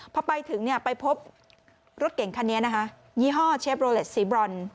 พอไปถึงไปพบรถเก่งคันนี้นะคะยี่ห้อเชฟโรเลสสีบรอน